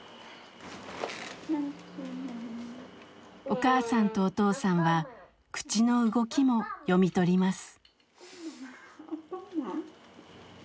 お母さんとお父さんは口の動きも読み取ります。